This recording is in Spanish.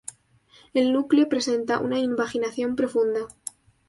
El núcleo presenta una invaginación profunda.